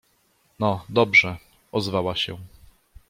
— No, dobrze! — ozwała się.